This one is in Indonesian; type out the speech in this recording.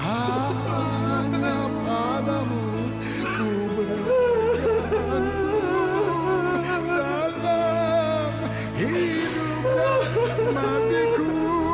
ibu dalam hidup dan matiku